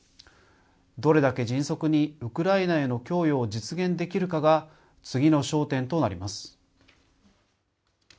どれだけ迅速にウクライナへの供与を実現できるかが、次の焦点となります。